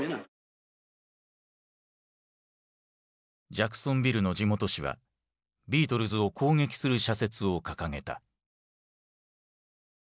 ジャクソンビルの地元紙はビートルズを攻撃する社説を掲げた。